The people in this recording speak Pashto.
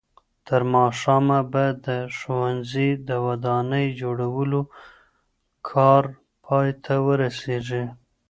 تر ماښامه به د ښوونځي د ودانۍ جوړولو کار پای ته ورسېږي.